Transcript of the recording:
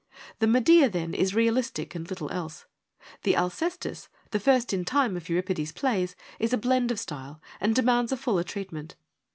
The Medea then is realistic and little else : the Alcestis, the first in time of Euripides' plays, is a blend of style, and demands a fuller treatment.